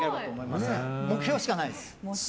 だから目標しかないです。